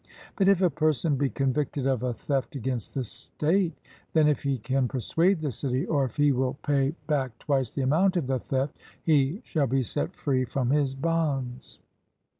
But if a person be convicted of a theft against the state, then if he can persuade the city, or if he will pay back twice the amount of the theft, he shall be set free from his bonds.